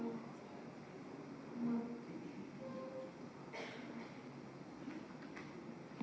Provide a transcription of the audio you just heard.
itu sudah disiapkan sebelumnya